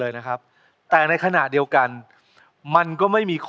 ยอมให้น้ำมันขุดแล้ว